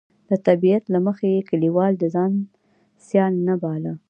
د خپل طبیعت له مخې یې کلیوال د ځان سیال نه باله.